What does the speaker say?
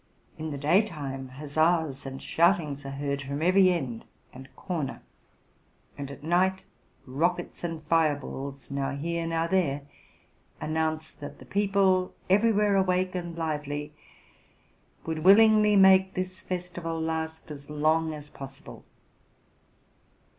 In the daytime, huzzas and shoutings are heard from every end and corner ; and at night rockets and fire balls, now here, now there, announce that the people, everywhere awake and lively, would willingly make this festival last as long as possible.